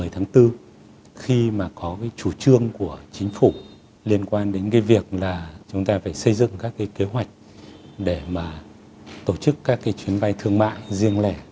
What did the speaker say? tháng bốn khi mà có cái chủ trương của chính phủ liên quan đến cái việc là chúng ta phải xây dựng các cái kế hoạch để mà tổ chức các cái chuyến bay thương mại riêng lẻ